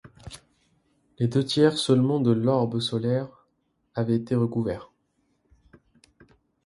Les deux tiers seulement de l’orbe solaire avaient été recouverts!